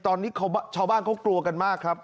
ตอนนี้ชาวบ้านเขากลัวกันมากครับ